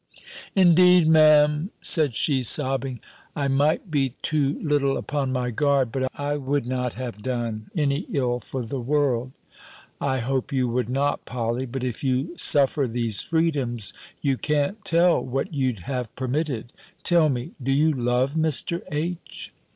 "Indeed, Me'm," said she, sobbing, "I might be too little upon my guard; but I would not have done any ill for the world." "I hope you would not, Polly; but if you suffer these freedoms, you can't tell what you'd have permitted Tell me, do you love Mr. H.?"